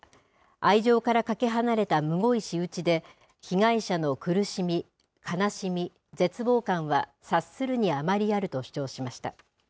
愛情からかけ離れたむごい仕打ちで、被害者の苦しみ、悲しみ、絶望感は察するに余りあると主張しました。